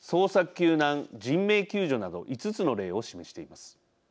救難・人命救助など５つの例を示しています。